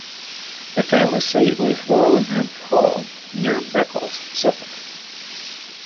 The family seat was Worlingham Hall, near Beccles, Suffolk.